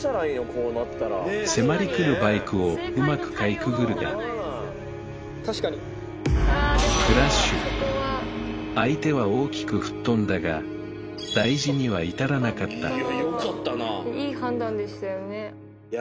こうなったら迫りくるバイクをうまくかいくぐるが相手は大きくふっとんだがいやよかったないい判断でしたよね